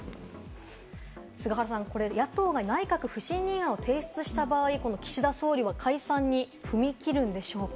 菅原さん、これ野党が内閣不信任案を提出した場合、岸田総理は解散に踏み切るんでしょうか？